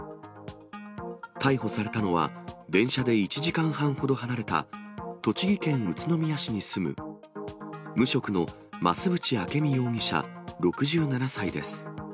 逮捕されたのは、電車で１時間半ほど離れた、栃木県宇都宮市に住む無職の増渕明美容疑者６７歳です。